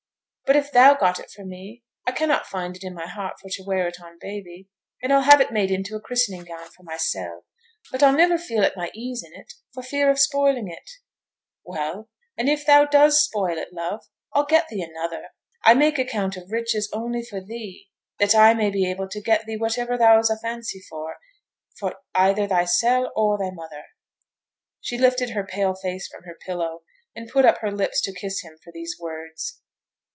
But if thou got it for me I cannot find i' my heart for t' wear it on baby, and I'll have it made into a christening gown for mysel'. But I'll niver feel at my ease in it, for fear of spoiling it.' 'Well! an' if thou does spoil it, love, I'll get thee another. I make account of riches only for thee; that I may be able to get thee whativer thou's a fancy for, for either thysel', or thy mother.' She lifted her pale face from her pillow, and put up her lips to kiss him for these words.